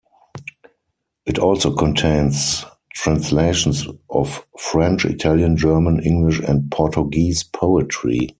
It also contains translations of French, Italian, German, English and Portuguese poetry.